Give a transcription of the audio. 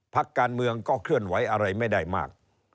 พักการเมืองก็เคลื่อนไหวอะไรไม่ได้มาก